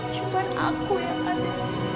cuma aku yang ada